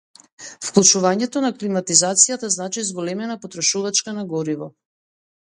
Вклучувањето на климатизацијата значи зголемена потрошувачка на гориво.